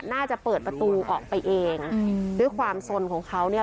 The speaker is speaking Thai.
น่าจะเปิดประตูออกไปเองด้วยความสนของเขาเนี่ย